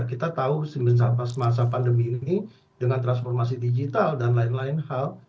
kita tahu pas masa pandemi ini dengan transformasi digital dan lain lain hal